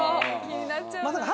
気になっちゃうな。